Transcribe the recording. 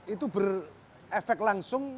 itu berefek langsung